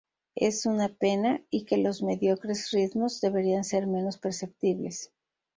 Es una pena" y que "los mediocres ritmos deberían ser menos perceptibles".